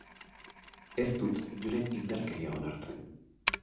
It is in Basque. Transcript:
Ez dut inoren indarkeria onartzen.